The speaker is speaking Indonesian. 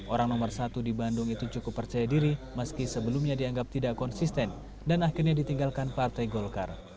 orang nomor satu di bandung itu cukup percaya diri meski sebelumnya dianggap tidak konsisten dan akhirnya ditinggalkan partai golkar